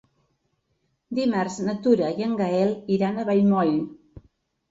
Dimarts na Tura i en Gaël iran a Vallmoll.